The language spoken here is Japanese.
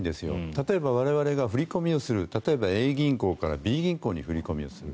例えば、我々が振り込みをする例えば、Ａ銀行からＢ銀行に振り込みをする。